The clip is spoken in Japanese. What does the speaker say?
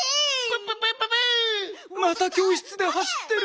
またきょうしつではしってる。